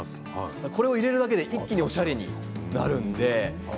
これを入れるだけで一気におしゃれになるんです。